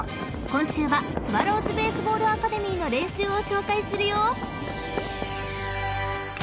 ［今週はスワローズベースボールアカデミーの練習を紹介するよ］